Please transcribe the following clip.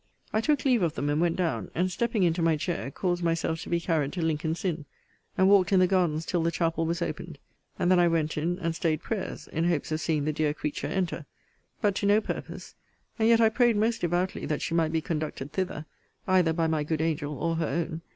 I took leave of them; and went down; and, stepping into my chair, caused myself to be carried to Lincoln's Inn; and walked in the gardens till the chapel was opened; and then I went in, and said prayers, in hopes of seeing the dear creature enter: but to no purpose; and yet I prayed most devoutly that she might be conducted thither, either by my good angel, or her own.